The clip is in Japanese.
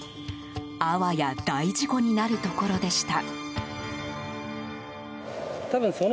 あわや大事故になるところでした。